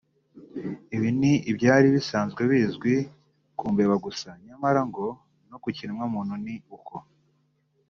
Ibi ni ibyari bisanzwe bizwi ku mbeba gusa nyamara ngo no ku kiremwa muntu ni uko